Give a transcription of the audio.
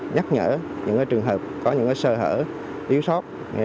nhắc nhở những trường hợp có những sơ hở yếu sót